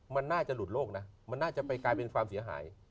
มันน่าจะหลุดโลกนะมันน่าจะไปกลายเป็นความเสียหาย